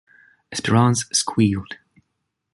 Espérance squealed.